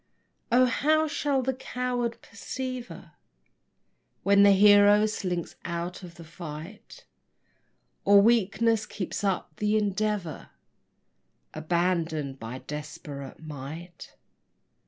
O how shall the coward persever When the hero slinks out of the fight; Or weakness keep up the endeavor Abandoned by desperate might?